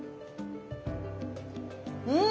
うん！